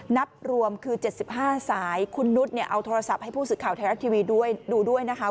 นับรวมคือ๗๕สายคุณนุษย์เอาโทรศัพท์ให้ผู้สื่อข่าวไทยรัฐทีวีด้วยดูด้วยนะคะ